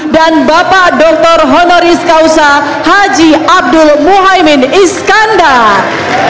dan bapak dr honoris causa haji abdul muhaymin iskandar